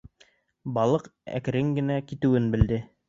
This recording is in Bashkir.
Балыҡ әкрен генә китеүен белде.